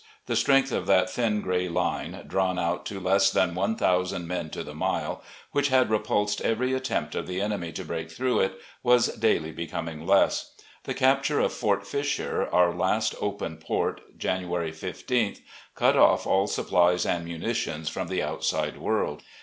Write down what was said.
The strength of that thin gray line, drawn out to less than one thousand men to the mile, which had repulsed every attempt of the enemy to break through it, was daily becoming less. The capture of Fort Fisher, our last open port, January 15th, cut off all supplies and munitions from the outside world.